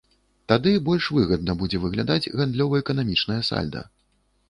Тады больш выгадна будзе выглядаць гандлёва-эканамічнае сальда.